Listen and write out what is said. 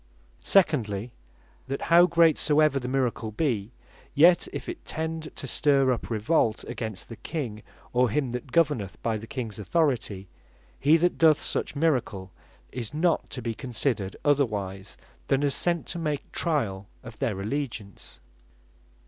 Secondly, that how great soever the miracle be, yet if it tend to stir up revolt against the King, or him that governeth by the Kings authority, he that doth such miracle, is not to be considered otherwise than as sent to make triall of their allegiance.